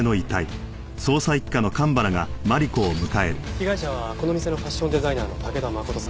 被害者はこの店のファッションデザイナーの武田誠さん。